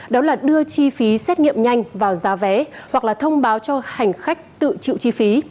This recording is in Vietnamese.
đó là đưa chi phí xét nghiệm nhanh vào giá vé hoặc là thông báo cho hành khách tự chịu chi phí